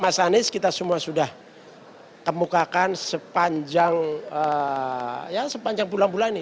mas anies kita semua sudah kemukakan sepanjang ya sepanjang bulan bulan ini